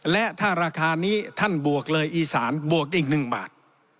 และถ้าราคานี้ท่านบวกเลยอีสานบวกได้อีก๑บาท